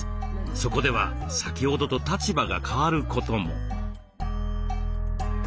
そこでは先ほどと立場が変わることも。